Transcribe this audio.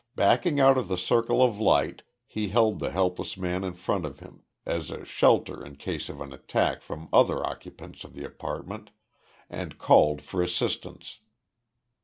Backing out of the circle of light, he held the helpless man in front of him as a shelter in case of an attack from other occupants of the apartment and called for assistance.